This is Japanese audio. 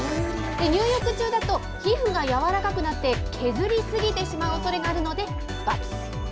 入浴中だと、皮膚が柔らかくなって、削り過ぎてしまう恐れがあるのでバツ。